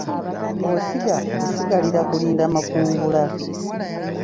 Bw’osiga osigalira kulinda makungula.